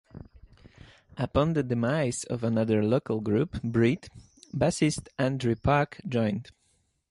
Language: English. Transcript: Upon the demise of another local group, "Breed", bassist Andrew Park joined.